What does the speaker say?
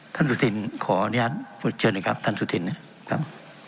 ท่านสุธินขออนุญาตเชิญหน่อยครับท่านสุธินครับ